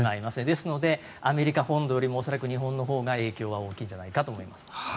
ですのでアメリカ本土よりも恐らく日本のほうが影響は大きいんじゃないかと思います。